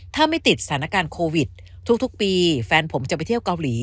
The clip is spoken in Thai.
ถ้าไม่ติดสถานการณ์โควิดทุกปีแฟนผมจะไปเที่ยวเกาหลี